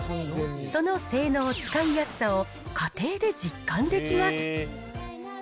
その性能、使いやすさを家庭で実感できます。